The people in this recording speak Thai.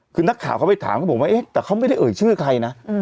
คือนักข่าวเขาไปถามเขาบอกว่าเอ๊ะแต่เขาไม่ได้เอ่ยชื่อใครนะ